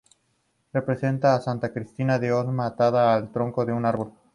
Representa a Santa Cristina de Osma, atada al tronco de un árbol.